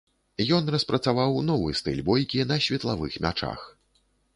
Ён распрацаваў новы стыль бойкі на светлавых мячах.